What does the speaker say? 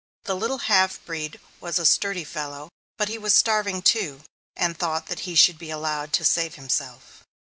The little half breed was a sturdy fellow, but he was starving too, and thought that he should be allowed to save himself.